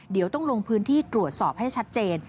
เดี๋ยวต้องลงพื้นที่ตรวจสอบให้ชัดเจน